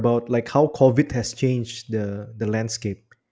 bagaimana covid sembilan belas telah mengubah lanskip